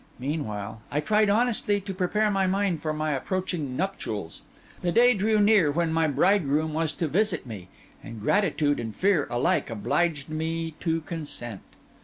Meanwhile, I tried honestly to prepare my mind for my approaching nuptials. The day drew near when my bridegroom was to visit me, and gratitude and fear alike obliged me to consent.